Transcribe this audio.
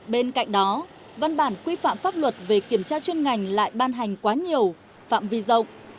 bên cạnh đó văn bản quy phạm pháp luật về kiểm tra chuyên ngành lại ban hành quá nhiều phạm vi rộng